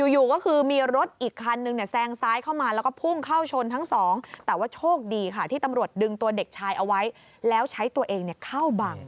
อยู่ก็คือมีรถอีกคันนึงเนี่ยแซงซ้ายเข้ามาแล้วก็พุ่งเข้าชนทั้งสองแต่ว่าโชคดีค่ะที่ตำรวจดึงตัวเด็กชายเอาไว้แล้วใช้ตัวเองเข้าบัง